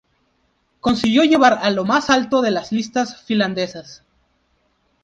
Consiguió llevar a lo más alto de las listas finlandesas.